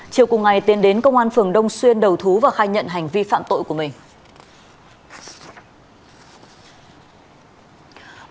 chiều cùng ngày tiến đến công an phường đông xuyên đầu thú và khai nhận hành vi phạm tội của mình